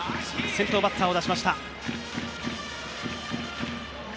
先頭バッターを出しました。